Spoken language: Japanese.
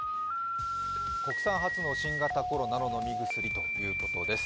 国産初の新型コロナの飲み薬ということです。